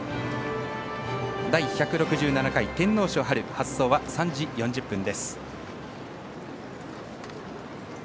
第１６７回天皇賞発走は３時４０分です。